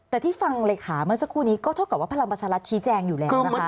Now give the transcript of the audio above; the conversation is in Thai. แต่ที่ฟังเลขาเมื่อสักครู่นี้ก็เท่ากับว่าพลังประชารัฐชี้แจงอยู่แล้วนะคะ